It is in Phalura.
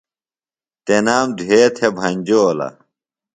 تنام دُھوے تھےۡ بھنجولہ۔